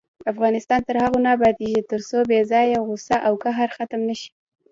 افغانستان تر هغو نه ابادیږي، ترڅو بې ځایه غوسه او قهر ختم نشي.